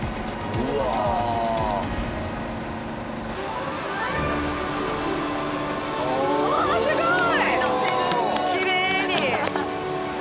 うわすごーい。